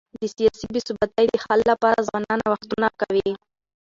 د سیاسي بي ثباتی د حل لپاره ځوانان نوښتونه کوي.